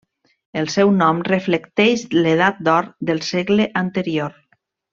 El seu nom reflecteix l'edat d'or del segle anterior.